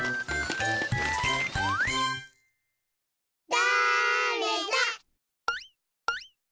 だれだ？